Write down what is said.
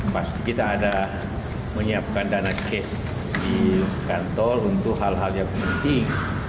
pasti kita ada menyiapkan dana cash di kantor untuk hal hal yang penting